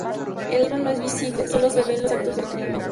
El asesino no es visible, solo se ve los actos del crimen.